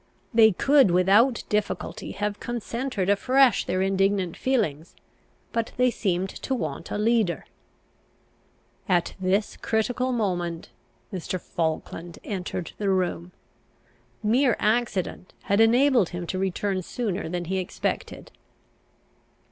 They could without difficulty have concentred afresh their indignant feelings, but they seemed to want a leader. At this critical moment Mr. Falkland entered the room. Mere accident had enabled him to return sooner than he expected.